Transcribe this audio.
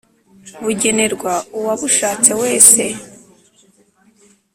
bugenerwa uwabushatse wese